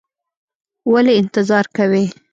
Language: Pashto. ولې انتظار کوې؟